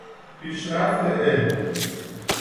پیشرفت علم